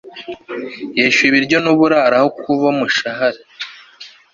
yishyuye ibiryo nuburaro aho kuba umushahara